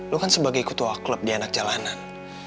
lo kan sebagai ketua klub di anak jalanan